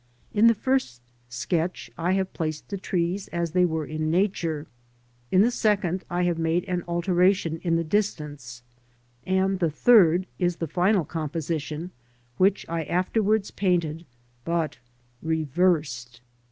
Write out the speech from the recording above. In the first sketch I have placed the trees as they were in Nature, in the second I have made an alteration in the distance, and the third is the final composition which I after wards painted but reversed.